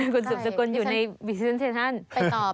คุณสุบสกุลอยู่ในวีดีโอพรีเซนต์เทชั่น